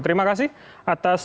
terima kasih atas waktu anda